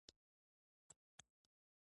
زموږ چرګه په هر چا باندې خپل حکم چلوي.